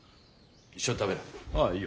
一緒に食べない？